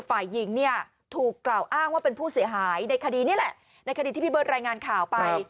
ฝ่ายหญิงเนี่ยถูกกล่าวอ้างว่าเป็นผู้เสียหายในคดีนี้แหละในคดีที่พี่เบิร์ตรายงานข่าวไป